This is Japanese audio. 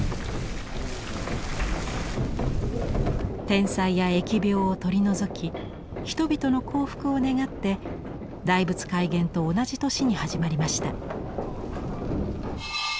天災や疫病を取り除き人々の幸福を願って大仏開眼と同じ年に始まりました。